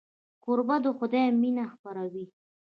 کوربه د خدای مینه خپروي.